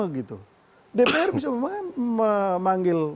dpr bisa memanggil